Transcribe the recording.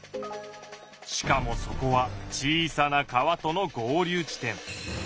しかもそこは小さな川との合流地点。